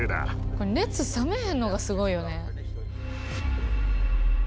熱冷めへんのがすごいよね。